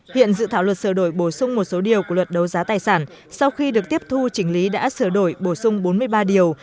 hiện dự thảo luật sửa đổi bổ sung một số điều của luật đấu giá tài sản sau khi được tiếp thu chỉnh lý đã sửa đổi bổ sung bốn mươi ba điều